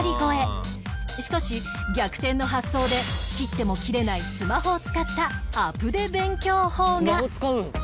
しかし逆転の発想で切っても切れないスマホを使ったアプデ勉強法が